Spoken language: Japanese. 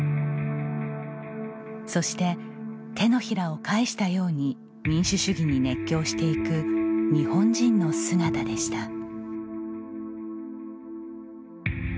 そして手のひらを返したように民主主義に熱狂していく日本人の姿でした。